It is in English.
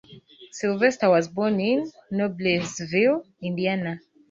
Sylvester was born in Noblesville, Indiana.